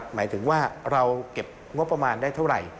หมายถึงว่าเราเก็บงบประมาณได้เท่าไหร่